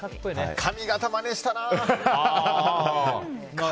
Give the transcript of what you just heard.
髪形、まねしたな。